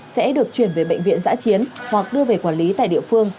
sẽ được chuyển về bệnh viện giã chiến hoặc đưa về quản lý tại địa phương